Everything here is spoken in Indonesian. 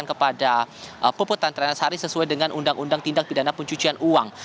kepada puputan trianasari sesuai dengan undang undang tindak pidana pencucian uang